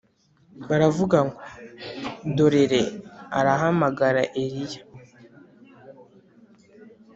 Baravuga ngo dorere arahamagara eliya